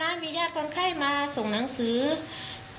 นายก็ไม่ได้รับเรื่องให้เราไม่ได้ช่วยเรา